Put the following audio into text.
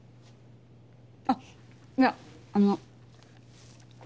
あっいやあの。